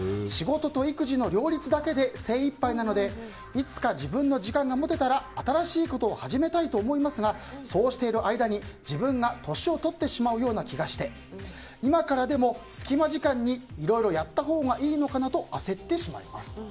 仕事と育児の両立だけで精いっぱいなのでいつか自分の時間が持てたら新しいことを始めたいと思いますがそうしている間に、自分が年を取ってしまうような気がして今からでも隙間時間にいろいろやったほうがいいのかなと焦ってしまいます。